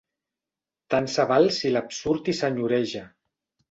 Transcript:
Tant se val si l'absurd hi senyoreja.